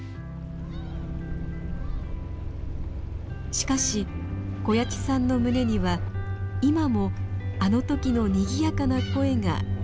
しかし小谷内さんの胸には今もあの時のにぎやかな声が響き渡ります。